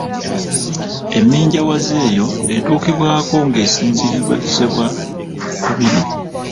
Emminjawaza eyo etuukibwako ng’esinziirizibwa ku bino.